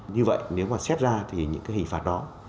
như vậy nếu mà xét ra thì những cái hình phạt đó